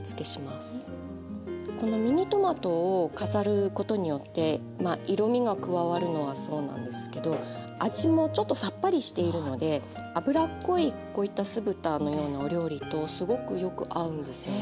このミニトマトを飾ることによってまあ色みが加わるのはそうなんですけど味もちょっとさっぱりしているので脂っこいこういった酢豚のようなお料理とすごくよく合うんですよね。